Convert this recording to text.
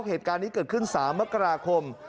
เหตุการณ์นี้เกิดขึ้น๓มกราคม